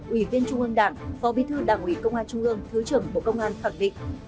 ủy viên trung ương đảng phó bí thư đảng ủy công an trung ương thứ trưởng bộ công an khẳng định